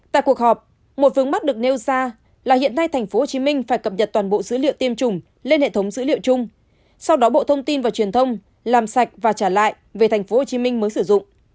tại cuộc họp một vướng mắt được nêu ra là hiện nay tp hcm phải cập nhật toàn bộ dữ liệu tiêm chủng lên hệ thống dữ liệu chung sau đó bộ thông tin và truyền thông làm sạch và trả lại về tp hcm mới sử dụng